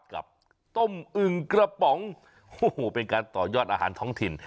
กับต้มอึงกระป๋องโอ้โหเป็นการต่อยอดอาหารท้องถิ่น